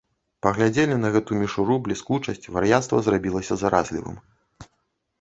Паглядзелі на гэту мішуру, бліскучасць, вар'яцтва зрабілася заразлівым.